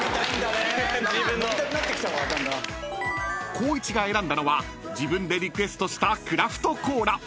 ［光一が選んだのは自分でリクエストしたクラフトコーラ］